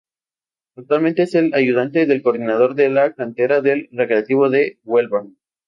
Actualmente es el ayudante del coordinador de la cantera del Recreativo de Huelva.